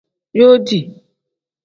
Yooti.